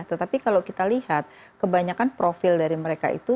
tetapi kalau kita lihat kebanyakan profil dari mereka itu